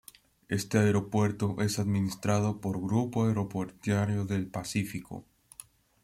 Este aeropuerto es administrado por Grupo Aeroportuario del Pacífico.